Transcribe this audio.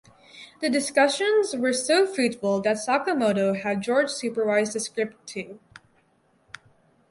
The discussions were so fruitful that Sakamoto had George supervise the script too.